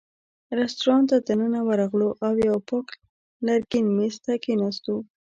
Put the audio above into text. رېستورانت ته دننه ورغلو او یوه پاک لرګین مېز ته کېناستو.